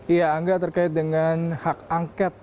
iya angga terkait dengan hak angket